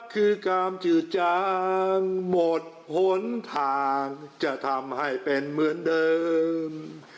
คือการจืดจางหมดหนทางจะทำให้เป็นเหมือนเดิม